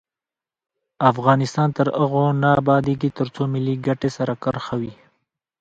افغانستان تر هغو نه ابادیږي، ترڅو ملي ګټې سر کرښه وي.